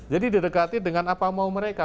jadi didekati dengan apa mau mereka